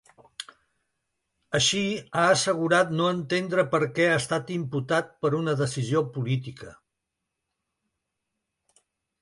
Així, ha assegurat no entendre perquè ha estat imputat per una decisió política.